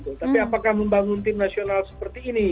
tapi apakah membangun tim nasional seperti ini